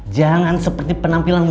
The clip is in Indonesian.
jangan seperti penampilanmu